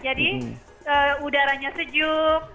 jadi udaranya sejuk